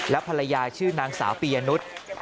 ภรรยาชื่อนางสาวปียนุษย์